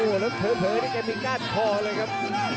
โอ้วแล้วเถอจะมีงานพ่อเลยกับ